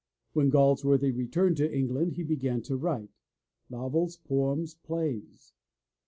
When Galsworthy returned to England he began to write, — novels, poems, plays.